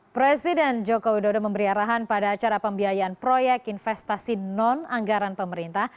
presiden joko widodo memberi arahan pada acara pembiayaan proyek investasi non anggaran pemerintah